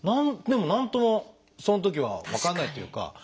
でも何ともそのときは分かんないっていうか